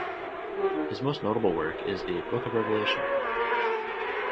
His most notable work is the "Book of Revelation".